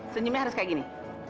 senyumnya harus kayak gini